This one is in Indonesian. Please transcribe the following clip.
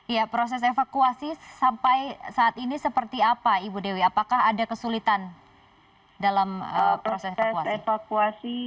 ya proses evakuasi sampai saat ini seperti apa ibu dewi apakah ada kesulitan dalam proses evakuasi